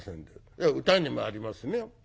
歌にもありますね。